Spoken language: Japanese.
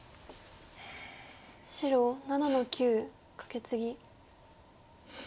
白７の九カケツギ。